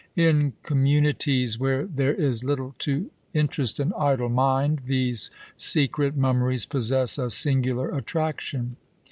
In communities where there is little to interest an idle mind these secret mum meries possess a singular attraction.